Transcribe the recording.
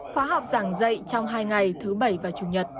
khóa học giảng dạy trong hai ngày thứ bảy và chủ nhật